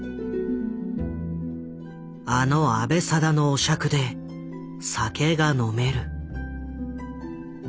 「あの阿部定のお酌で酒が飲める」。